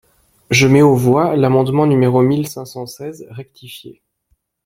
Je mets aux voix l’amendement numéro mille cinq cent seize rectifié.